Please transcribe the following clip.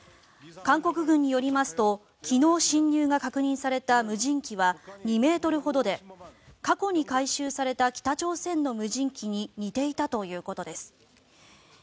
韓国軍によりますと昨日、侵入が確認された無人機は２ｍほどで過去に回収された北朝鮮の無人機に似ていたということです。